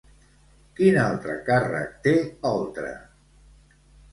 Quin altre càrrec té Oltra?